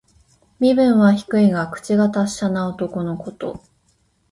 身分は低いが、口が達者な男のこと。